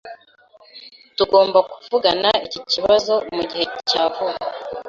Tugomba kuvugana iki kibazo mugihe cya vuba